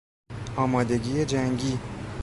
آمادگی جنگی